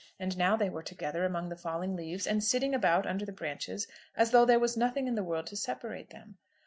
And now they were together among the falling leaves, and sitting about under the branches as though there was nothing in the world to separate them.